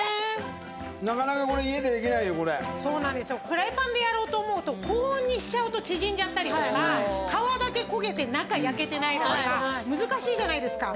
フライパンでやろうと思うと高温にしちゃうと縮んじゃったりとか皮だけ焦げて中焼けてないだとか難しいじゃないですか。